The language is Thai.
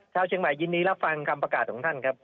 ชาวเชียงใหม่ยินดีรับฟังคำประกาศของท่านครับ